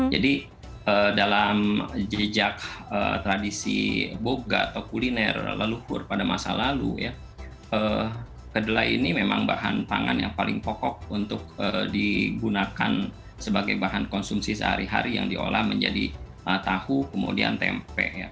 jadi dalam jejak tradisi boga atau kuliner leluhur pada masa lalu ya kedelai ini memang bahan pangan yang paling pokok untuk digunakan sebagai bahan konsumsi sehari hari yang diolah menjadi tahu kemudian tempe